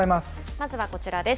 まずはこちらです。